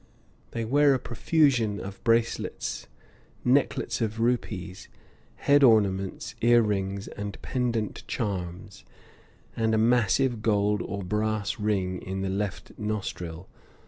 They wear a profusion of bracelets, necklaces of rupees, head ornaments, ear rings, and pendent charms, and a massive gold or brass ring in the left nostril.